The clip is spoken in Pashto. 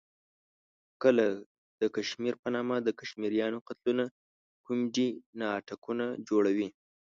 کله د کشمیر په نامه د کشمیریانو قتلونه کومیډي ناټکونه جوړوي.